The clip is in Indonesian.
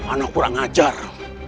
anak kurang ajar